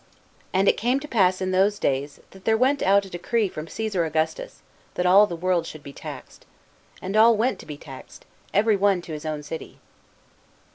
" And it came to pass in those days, that there went out a decree from Ca.sar Augustus, that all the world should be taxed. ... And all went to be taxed, every one into his own city."